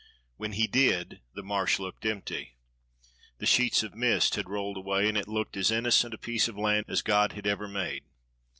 When he did the Marsh looked empty. The sheets of mist had rolled away, and it looked as innocent a piece of land as God had ever made.